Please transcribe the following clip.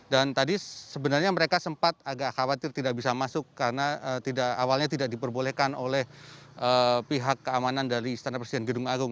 dan tadi sebenarnya mereka sempat agak khawatir tidak bisa masuk karena tidak awalnya tidak diperbolehkan oleh pihak keamanan dari istana presiden gedung agung